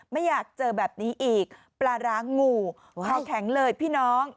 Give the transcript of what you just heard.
ไม่อยากเจอแบบนี้อีกปลาร้างงูเข้าแข็งเลยพี่น้อง